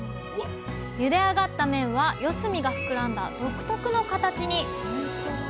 ゆで上がった麺は四隅が膨らんだ独特の形に。